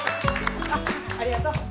あっありがとう。